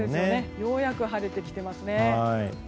ようやく晴れてきてますね。